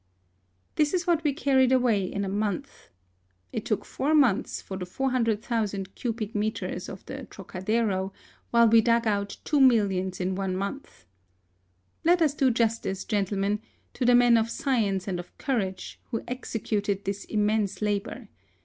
This is what we carried away in a month. It took four months for the 400,000 cubic metres of the Trocadero, while we dug out two millions in one month. Let us do jus tice, gentlemen, to the men of science and of courage who executed this immense la bour.